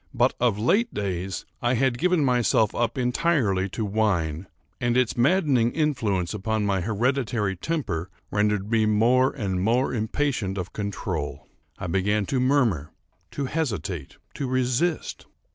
But, of late days, I had given myself up entirely to wine; and its maddening influence upon my hereditary temper rendered me more and more impatient of control. I began to murmur,—to hesitate,—to resist.